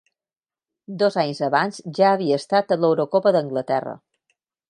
Dos anys abans ja havia estat a l'Eurocopa d'Anglaterra.